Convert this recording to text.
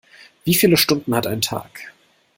Wie viele Stunden hat ein Tag?